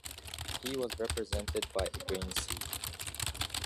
He was represented by a grain seed.